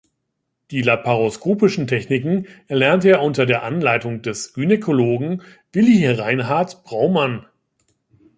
Die laparoskopischen Techniken erlernte er unter der Anleitung des Gynäkologen Willi-Reinhart Braumann.